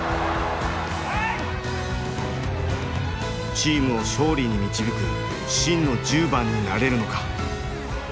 チームを勝利に導く真の１０番になれるのか。